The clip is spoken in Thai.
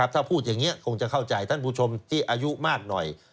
ถ้าพูดอย่างนี้คงจะเข้าใจท่านผู้ชมที่อายุมากหน่อย